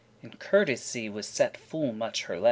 In courtesy was set full much her lest*.